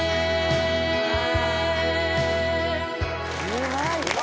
うまい！